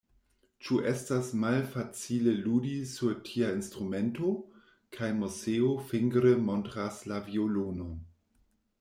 Ĉu estas malfacile ludi sur tia instrumento? kaj Moseo fingre montras la violonon.